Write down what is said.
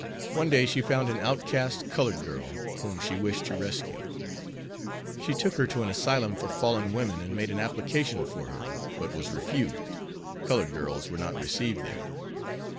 One day she found an outcast colored girl, whom she wished to rescue. She took her to an asylum for fallen women and made an application for her, but was refused. Colored girls were not received there.